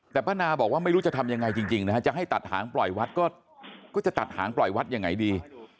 แต่ป้านาบอกว่าไม่รู้จะทำยังไงจริงนะฮะจะให้ตัดหางปล่อยวัดก็จะตัดหางปล่อยวัดยังไงดี